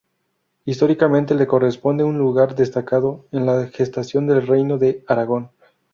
Históricamente le corresponde un lugar destacado en la gestación del reino de Aragón.